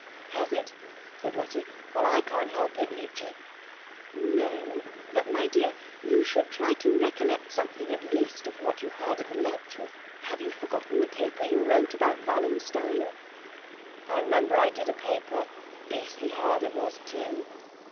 "Has it?" said Letty. "Well, I can't help it, Leechy." "No; but my dear, you should try to recollect something at least of what you heard at the lectures. Have you forgotten the paper you wrote about Wallenstein?" "I remember I did a paper. Beastly hard it was, too."